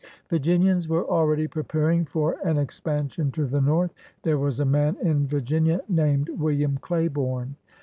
Virginians were already preparing for an ex pansion to the north. There was a man in Vir ginia named William Claiborne.